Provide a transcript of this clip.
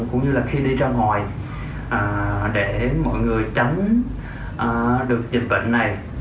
cũng như là khi đi ra ngoài để mọi người tránh được dịch bệnh này